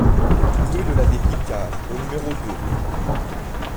Rue de l'Abbé Picard au numéro deux